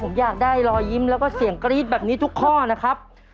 ผมอยากได้รอยยิ้มแล้วก็เสียงกรี๊ดแบบนี้ทุกข้อนะครับ